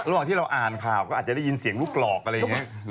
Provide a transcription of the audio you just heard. ระหว่างที่เราอ่านข่าวก็อาจจะได้ยินเสียงลูกหลอกอะไรอย่างนี้